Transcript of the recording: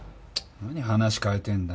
何話変えてんだよ。